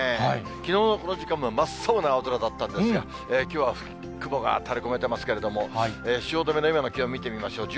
きのうのこの時間は真っ青な青空だったんですが、きょうは雲が垂れ込めてますけれども、汐留の今の気温見てみましょう。